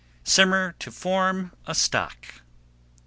Simmer to form a stock.